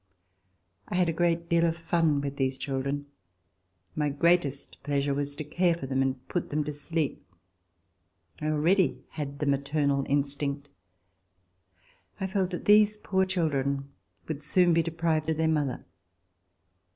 I had a great deal of fun with these children. My greatest pleasure was to care for them and to put them to sleep. I already had the maternal instinct. I felt that these poor children would soon be deprived of their mother.